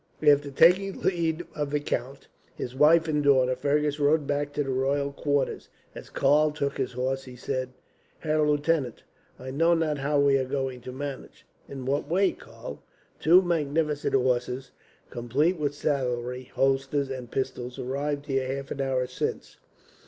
After taking leave of the count, his wife, and daughter, Fergus rode back to the royal quarters. As Karl took his horse, he said: "Herr lieutenant, I know not how we are going to manage." "In what way, Karl?" "Two magnificent horses, complete with saddlery, holsters, and pistols, arrived here half an hour since.